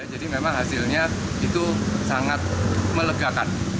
jadi memang hasilnya itu sangat melegakan